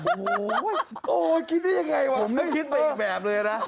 โอ้ยคิดได้ยังไงวะผมนี่คิดเป็นอีกแบบเลยนะ